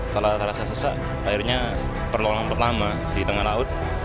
kalau terasa sesak akhirnya perlulangan pertama di tengah laut